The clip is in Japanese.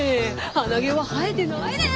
鼻毛は生えてないねん！